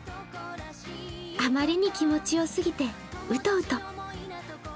あまりに気持ちよすぎてうとうと。